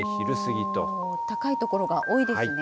高い所が多いですね。